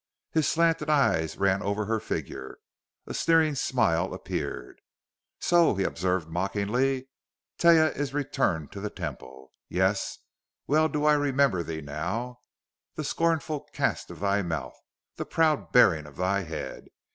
His slanted eyes ran over her figure. A sneering smile appeared. "So!" he observed mockingly. "Taia is returned to the Temple! Yes, well do I remember thee now the scornful cast of thy mouth, the proud bearing of thy head.